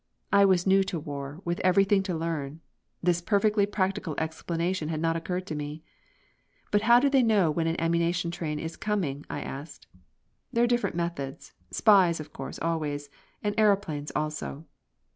I was new to war, with everything to learn. This perfectly practical explanation had not occurred to me. "But how do they know when an ammunition train is coming?" I asked. "There are different methods. Spies, of course, always. And aëroplanes also."